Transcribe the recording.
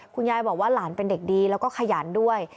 คุณยายบอกว่าหลานเป็นเด็กดีแล้วก็ขยันด้วย